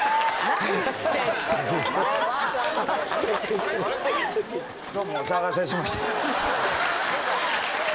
何してどうもお騒がせしました